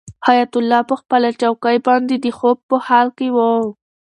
حیات الله په خپله چوکۍ باندې د خوب په حال کې و.